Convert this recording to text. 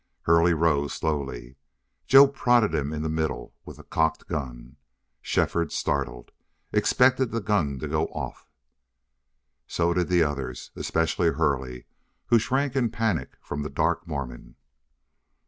Hurley rose slowly. Then Joe prodded him in the middle with the cocked gun. Shefford startled, expected the gun to go off. So did the others, especially Hurley, who shrank in panic from the dark Mormon.